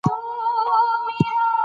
چیرته ژوبل په نېزه یې